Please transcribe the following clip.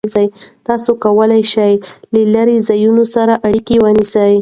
تاسو کولای شئ چې له لرې ځایونو سره اړیکه ونیسئ.